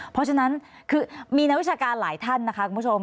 เพราะฉะนั้นคือมีนักวิชาการหลายท่านนะคะคุณผู้ชม